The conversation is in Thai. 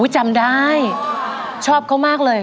จำได้ชอบเขามากเลย